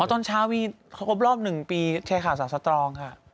อ๋อตอนเช้าครบรอบหนึ่งปีแชร์ข่าวสาวสตรองค่ะ